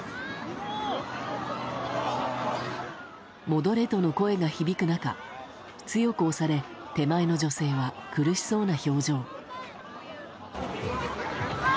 戻れとの声が響く中強く押され手前の女性は苦しそうな表情。